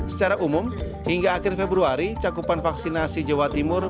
secara umum hingga akhir februari cakupan vaksinasi jawa timur